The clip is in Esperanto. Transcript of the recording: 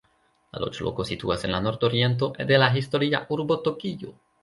La loĝloko situas en la nordoriento de la historia urbo Tokio.